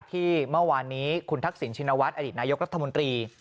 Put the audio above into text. ที่เมื่อวานนี้คุณทักษิณชินวัฒนอดีตนายกรัฐมนตรี